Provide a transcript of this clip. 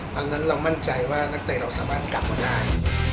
เพราะฉะนั้นเรามั่นใจว่านักเตะเราสามารถกลับมาได้